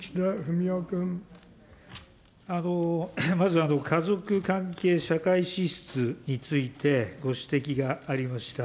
まず、家族関係社会支出について、ご指摘がありました。